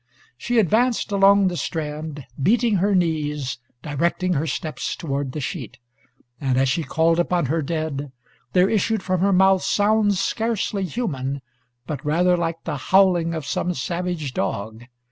She advanced along the strand, beating her knees, directing her steps toward the sheet. And as she called upon her dead, there issued from her mouth sounds scarcely human, but rather like the howling of some savage dog.